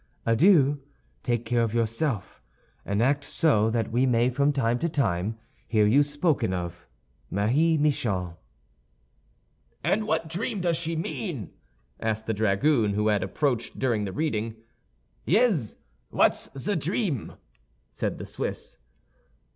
Adieu! Take care of yourself, and act so that we may from time to time hear you spoken of. "MARIE MICHON" "And what dream does she mean?" asked the dragoon, who had approached during the reading. "Yez; what's the dream?" said the Swiss.